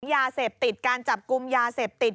ยาเสพติดการจับกลุ่มยาเสพติด